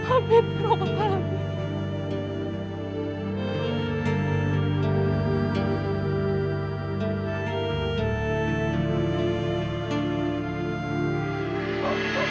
amin ya allah